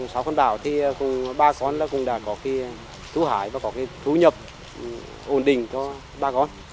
sau cơn bão thì bà con cũng đã có thu hải và có thu nhập ổn định cho bà con